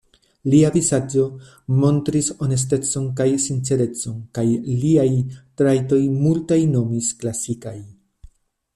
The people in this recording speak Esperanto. Lia vizaĝo montris honestecon kaj sincerecon; kaj liajn trajtojn multaj nomis klasikaj.